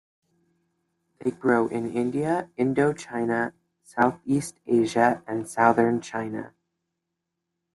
They grow in India, Indochina, Southeast Asia, and southern China.